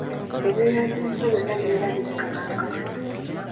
Ebyoya by’enswa byonna bibeera byenkanankana.